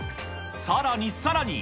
さらにさらに。